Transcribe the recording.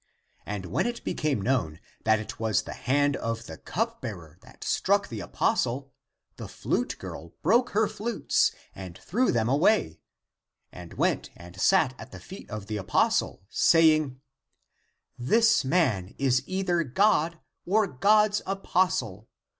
And when it became known that it was the hand of the cup bearer that struck the apostle, the flute girl broke her flutes and threw them away, and went and sat at the feet of the apostle, saying, " This man is either God or God's apostle.